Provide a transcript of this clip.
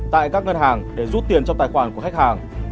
tại các ngân hàng để rút tiền trong tài khoản của khách hàng